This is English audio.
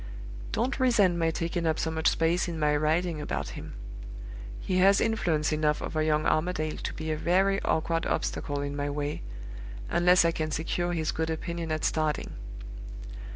Don't resent my taking up so much space in my writing about him. He has influence enough over young Armadale to be a very awkward obstacle in my way, unless I can secure his good opinion at starting.